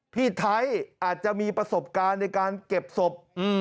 พี่ไทยอาจจะมีประสบการณ์ในการเก็บศพ